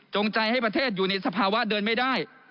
ใจให้ประเทศอยู่ในสภาวะเดินไม่ได้